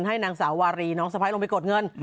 ให้นางสาววารีน้องสะพ้ายลงไปกดเงิน